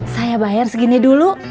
saya bayar segini dulu